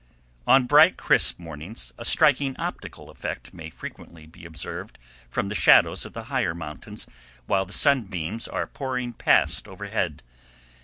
] On bright, crisp mornings a striking optical effect may frequently be observed from the shadows of the higher mountains while the sunbeams are pouring past overhead.